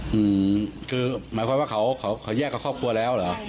หมายความว่าเขาแยกกับครอบครัวแล้ว